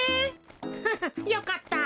フフよかった。